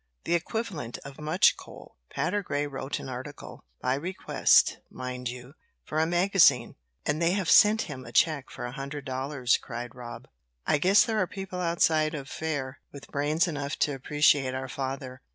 "The equivalent of much coal. Patergrey wrote an article by request, mind you for a magazine, and they have sent him a check for a hundred dollars," cried Rob. "I guess there are people outside of Fayre with brains enough to appreciate our father!"